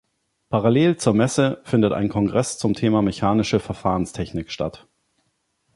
Parallel zur Messe findet ein Kongress zum Thema Mechanische Verfahrenstechnik statt.